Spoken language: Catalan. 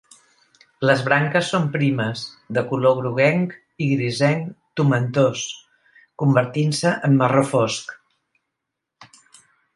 Les branques són primes, de color groguenc i grisenc tomentós, convertint-se en marró fosc.